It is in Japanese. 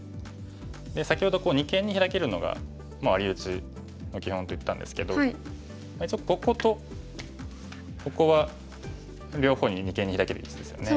で先ほど二間にヒラけるのがワリウチの基本と言ったんですけどこことここは両方に二間にヒラける位置ですよね。